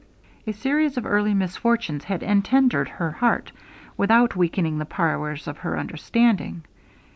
A series of early misfortunes had entendered her heart, without weakening the powers of her understanding.